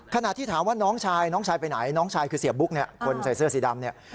ขนาดที่ถามว่าน้องชายน้องชายไปไหนน้องชายคือเซียโป้กคนใส่เสื้อสีดำ